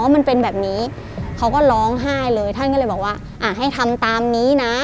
มันเป็นแบบนี้เขาก็ร้องไห้เลยท่านก็เลยบอกว่าอ่าให้ทำตามนี้นะ